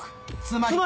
つまり。